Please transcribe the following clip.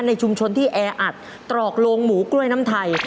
ในชุมชนที่แออัดตรอกโรงหมูกล้วยน้ำไทย